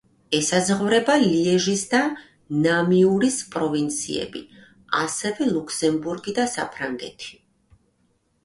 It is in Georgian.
ესაზღვრება ლიეჟის და ნამიურის პროვინციები, ასევე ლუქსემბურგი და საფრანგეთი.